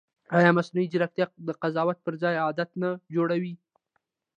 ایا مصنوعي ځیرکتیا د قضاوت پر ځای عادت نه جوړوي؟